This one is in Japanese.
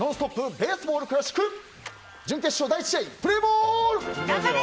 ベースボール・クラシック準決勝第１試合プレーボール！